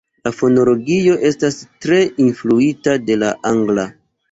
La fonologio estas tre influita de la angla.